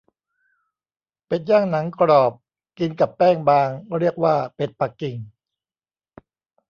เป็ดย่างหนังกรอบ กินกับแป้งบาง เรียกว่าเป็ดปักกิ่ง